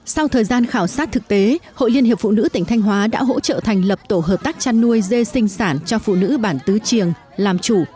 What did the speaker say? sau thời gian khảo sát thực tế hội liên hiệp phụ nữ tỉnh thanh hóa đã hỗ trợ thành lập tổ hợp tác chăn nuôi dê sinh sản cho phụ nữ bản tứ triềng làm chủ